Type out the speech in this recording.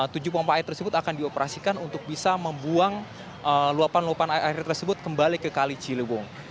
tujuh pompa air tersebut akan dioperasikan untuk bisa membuang luapan luapan air tersebut kembali ke kali ciliwung